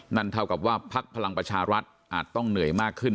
เท่ากับว่าพักพลังประชารัฐอาจต้องเหนื่อยมากขึ้น